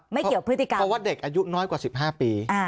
เพราะว่าเด็กอายุน้อยกว่า๑๕ปี